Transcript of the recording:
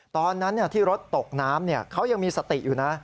ตอนนั้นที่รถตกน้ำเขายังมีสติอยู่นะ